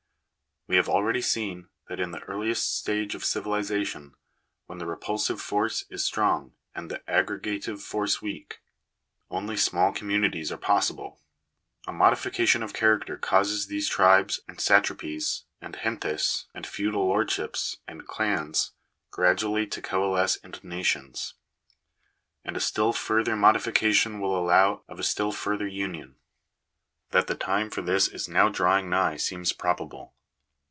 We have already seen (p. 197), that in the earliest stage of civilization, when the repulsive force is strong, and the aggregative force weak, only small communities are possible; a modification of character causes these tribes, and satrapies, m&gentes, and feudal lordships, and clans, gradually to coalesce into nations ; and a still further modification will allow of a still further union. That the time for this is now drawing nigh, seems probable.